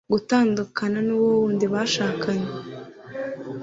gutandukana n'uwo wundi bashakanye